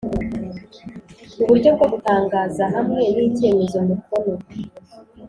Uburyo bwo gutangaza hamwe n icyemeza mukono